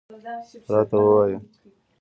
راته ووایه.